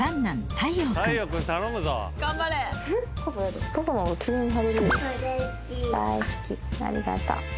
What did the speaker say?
大好きありがと。